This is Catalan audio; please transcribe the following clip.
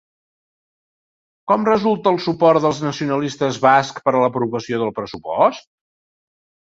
Com resulta el suport dels nacionalistes bascs per a l'aprovació del pressupost?